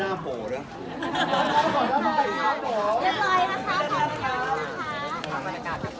ให้เพื่อนอายพันธ์